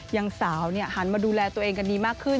ยังสาวหันมาดูแลตัวเองกันดีมากขึ้น